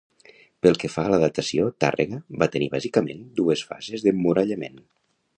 Pel que fa a la datació, Tàrrega va tenir bàsicament dues fases d'emmurallament.